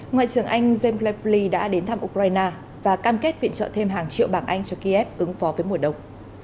ngoại trưởng anh jambley fly đã đến thăm ukraine và cam kết viện trợ thêm hàng triệu bảng anh cho kiev ứng phó với mùa đông